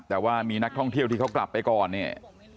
แต่ว่ามีนักท่องเที่ยวที่เขากลับไปก่อนเนี่ย